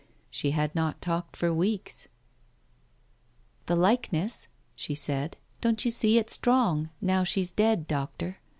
She had not talked for weeks. "The likeness !" she said. "Don't you see it strong now she's dead, Doctor?